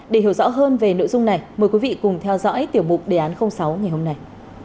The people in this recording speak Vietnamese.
để hiểu rõ hơn về nội dung này mời quý vị cùng theo dõi tiểu mục đề án sáu ngày hôm nay